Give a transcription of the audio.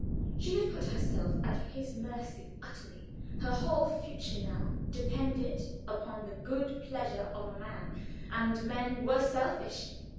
She had put herself at his mercy utterly; her whole future now depended upon the good pleasure of a man and men were selfish.